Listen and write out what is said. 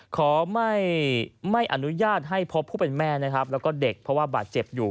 ขอไม่อนุญาตให้เพราะผู้เป็นแม่และเด็กเพราะว่าบาดเจ็บอยู่